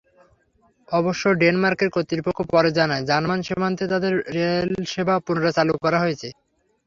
অবশ্য ডেনমার্কের কর্তৃপক্ষ পরে জানায়, জার্মান সীমান্তে তাদের রেলসেবা পুনরায় চালু করা হয়েছে।